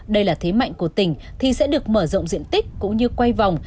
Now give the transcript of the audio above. đây là thế mạnh của tỉnh thì sẽ được mở rộng diện tích cũng như quay vòng